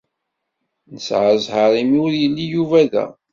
Nesɛa zzheṛ imi ur yelli Yuba da.